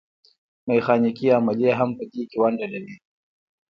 میخانیکي عملیې هم په دې کې ونډه لري.